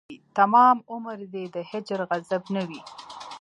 تمام عمر دې د هجر غضب نه وي